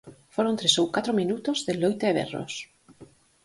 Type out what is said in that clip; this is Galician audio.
Foron tres ou catro minutos de loita e berros.